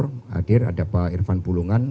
yang hadir ada pak irvan pulungan